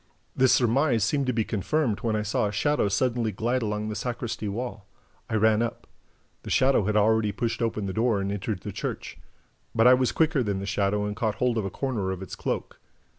This surmise seemed to be confirmed when I saw a shadow suddenly glide along the sacristy wall. I ran up. The shadow had already pushed open the door and entered the church. But I was quicker than the shadow and caught hold of a corner of its cloak.